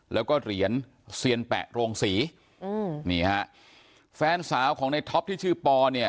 แล้วก็เหรียญเซียนแปะโรงศรีอืมนี่ฮะแฟนสาวของในท็อปที่ชื่อปอเนี่ย